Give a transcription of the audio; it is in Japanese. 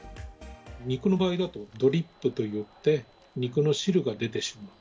肉の場合だと、ドリップといって、肉の汁が出てしまう。